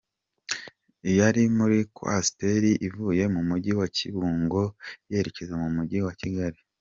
Yari muri Coaster ivuye mu Mujyi wa Kibungo yerekeza mu mu Mujyi wa Kigali.